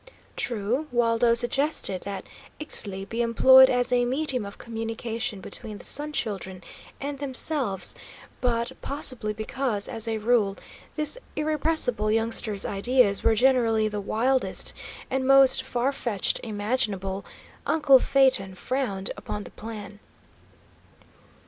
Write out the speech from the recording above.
True, Waldo suggested that Ixtli be employed as a medium of communication between the Sun Children and themselves; but, possibly because, as a rule, this irrepressible youngster's ideas were generally the wildest and most far fetched imaginable, uncle Phaeton frowned upon the plan.